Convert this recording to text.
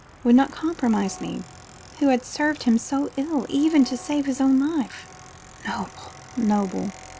Would not compromise me, who had served him so ill, even to save his own life? Noble, noble!"